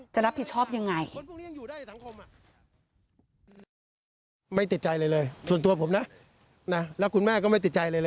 จะรับผิดชอบยังไง